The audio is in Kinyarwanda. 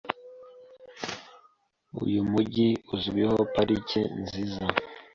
Uyu mujyi uzwiho parike nziza .